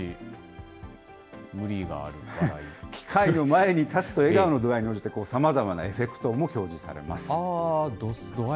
機械の前に立つと、笑顔の度合いによってさまざまなエフェクトも表示されます。